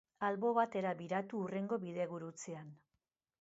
Albo batera biratu hurrengo bidegurutzean.